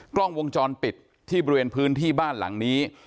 กล้องวงจรปิดที่บริเวณพื้นที่บ้านหลังนี้